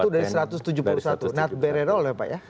sembilan puluh satu dari satu ratus tujuh puluh satu not very low ya pak ya